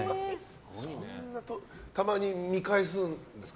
たまに見返すんですか